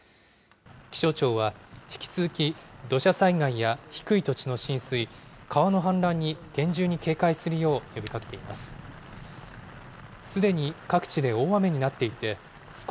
気象庁は、引き続き土砂災害や低い土地の浸水、川の氾濫に厳重に警戒するよう呼びかけています。